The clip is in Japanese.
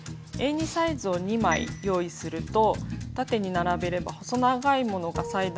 Ａ２サイズを２枚用意すると縦に並べれば細長いものが裁断できるので便利です。